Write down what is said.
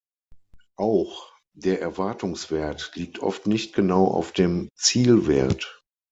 Auch der Erwartungswert liegt oft nicht genau auf dem Zielwert.